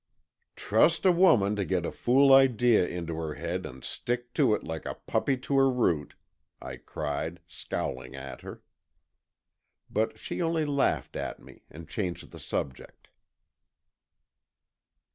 "Trust a woman to get a fool idea into her head and stick to it like a puppy to a root!" I cried, scowling at her. But she only laughed at me, and changed the subject.